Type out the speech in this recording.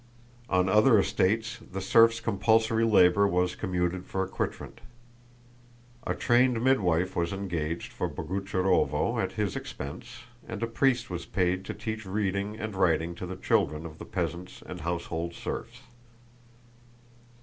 On other estates the serfs' compulsory labor was commuted for a quitrent. A trained midwife was engaged for Boguchárovo at his expense, and a priest was paid to teach reading and writing to the children of the peasants and household serfs.